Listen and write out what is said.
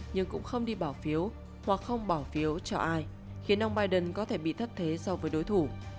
nhưng cũng không đi bỏ phiếu hoặc không bỏ phiếu cho ai khiến ông biden có thể bị thất thế so với đối thủ